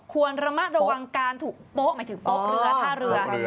ควรระมัดระวังการถูกโป๊ะหมายถึงโป๊ะเรือท่าเรือ